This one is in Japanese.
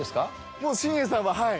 もう伸栄さんははい。